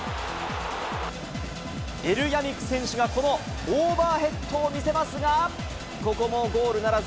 エル・ヤミク選手がこのオーバーヘッドを見せますが、ここもゴールならず。